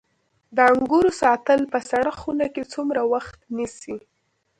د انګورو ساتل په سړه خونه کې څومره وخت نیسي؟